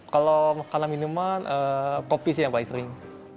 kalau makanan minuman kopi sih yang paling sering